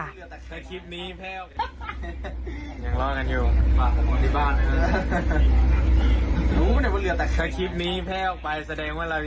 ลูกชายของเขาบอกว่าจะได้พบกันแล้วมีความหวังว่าจะได้พบกัน